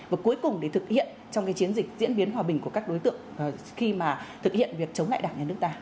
và cuối cùng để thực hiện trong cái chiến dịch diễn biến hòa bình của các đối tượng khi mà thực hiện việc chống lại đảng nhà nước ta